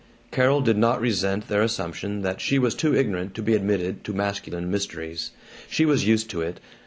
Carol did not resent their assumption that she was too ignorant to be admitted to masculine mysteries. She was used to it.